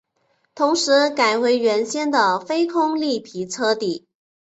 同时改回原先的非空绿皮车底。